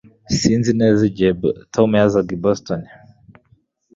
Sinzi neza igihe Tom yazaga i Boston